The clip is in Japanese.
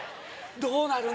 どうなる？